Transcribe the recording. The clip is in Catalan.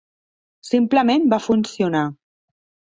Simplement va funcionar.